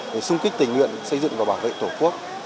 để xung kích tình nguyện xây dựng và bảo vệ tổ quốc